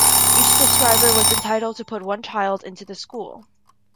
Each subscriber was entitled to put one child into the school.